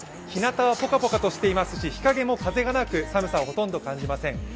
ひなたはぽかぽかとしていますし日陰も風がなく寒さをほとんど感じません。